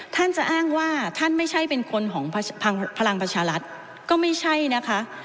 ท่านจะอ้างว่าท่านไม่ใช่เป็นคนของพลังประชารัฐก็ไม่ใช่นะคะ